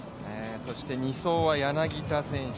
そして２走は柳田選手。